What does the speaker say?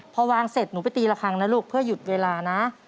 พอวางเสร็จหนูไปตีละครั้งนะลูกเพื่อหยุดเวลานะ